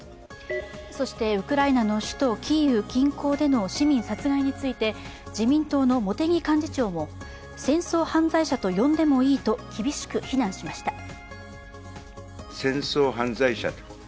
そして、ウクライナの首都キーウ近郊での市民殺害について自民党の茂木幹事長も、戦争犯罪者と呼んでもいいと厳しく非難しました。